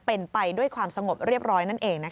เป็นไปด้วยความสงบเรียบร้อย